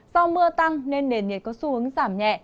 do mưa tăng nên nền nhiệt có xu hướng giảm nhẹ